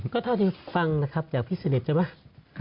ก็เท่าที่ฟังนะครับจากพี่สนิทใช่ไหม